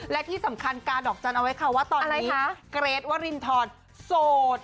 และที่สำคัญการเดาะจันเอาไว้ค่ะว่าตอนนี้เกรทว่ารินธรป์โสด